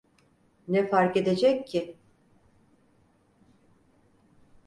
Ne fark edecek ki?